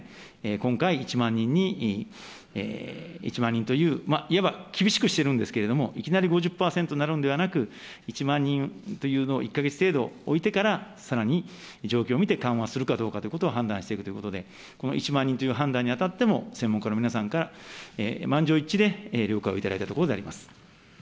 今回、１万人に、１万人という、いわば厳しくしてるんですけれども、いきなり５０％になるんではなく、１万人というのを１か月程度置いてから、さらに状況を見て緩和するかどうかということを判断していくということで、この１万人という判断にあたっても、専門家の皆さんから、満場一致で了解を頂いたところであります。